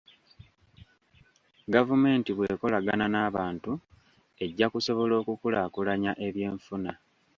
Gavumenti bw'ekolagana n'abantu, ejja kusobola okukulaakulanya eby'enfuna.